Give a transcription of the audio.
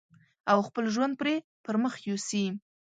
او خپل ژوند پرې پرمخ يوسي.